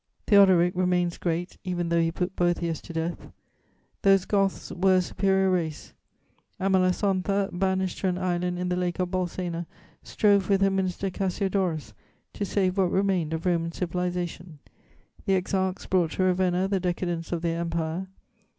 Theodoric remains great, even though he put Boethius to death. Those Goths were a superior race; Amalasontha, banished to an island in the Lake of Bolsena, strove, with her minister Cassiodorus, to save what remained of Roman civilization. The Exarchs brought to Ravenna the decadence of their empire.